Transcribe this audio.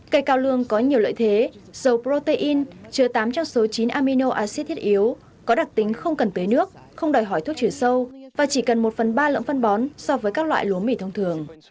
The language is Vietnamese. cây cao lương có nhiều lợi thế dầu protein chứa tám trong số chín amino acid thiết yếu có đặc tính không cần tưới nước không đòi hỏi thuốc chuyển sâu và chỉ cần một phần ba lượng phân bón so với các loại lúa mỉ thông thường